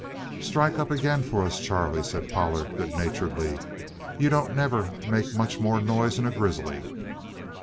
"Strike up agin for us, Charlie," said Pollard good naturedly. "You don't never make much more noise'n a grizzly."